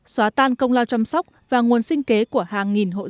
xóa tan công lao chăm sóc và nguồn sinh kế của hàng nghìn hộ dân